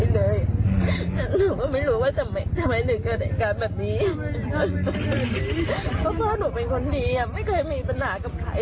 แล้วแกอยู่คนเดียวหรือไงครับ